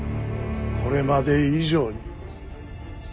これまで以上に。